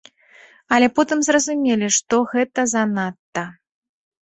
Але потым зразумелі, што гэта занадта.